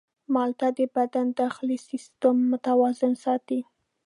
مالټه د بدن داخلي سیستم متوازن ساتي.